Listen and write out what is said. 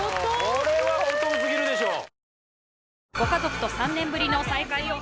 これはお得すぎるでしょう